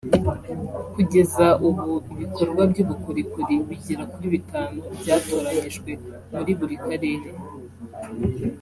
Kugeza ubu ibikorwa by’ubukorikori bigera kuri bitanu byatoranyijwe muri buri Karere